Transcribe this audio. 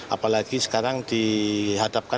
apalagi sekarang dihadapkan